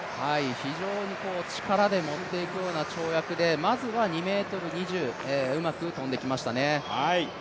非常に力で持っていくような跳躍でまずは２ｍ２０、うまく跳んできましたね。